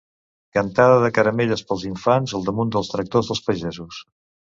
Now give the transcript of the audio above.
Cantada de caramelles pels infants al damunt dels tractors dels pagesos.